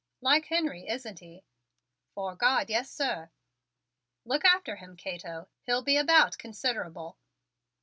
"Like Henry, isn't he?" "'Fore God, yes, sir!" "Look after him, Cato. He'll be about considerable."